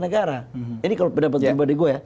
negara ini kalau pendapat tempatan gue ya